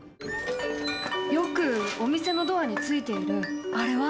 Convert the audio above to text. よくお店のドアについているあれは？